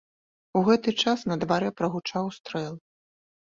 У гэты час на дварэ прагучаў стрэл.